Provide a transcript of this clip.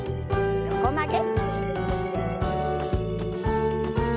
横曲げ。